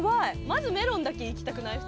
まずメロンだけいきたくない？